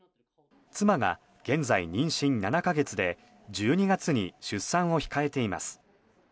妻が現在妊娠７か月で１２月に出産を控えています。